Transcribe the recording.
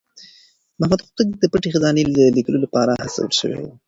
محمد هوتک د پټې خزانې د ليکلو لپاره هڅول شوی و.